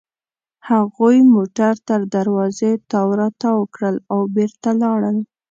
هغوی موټر تر دروازې تاو راتاو کړل او بېرته لاړل.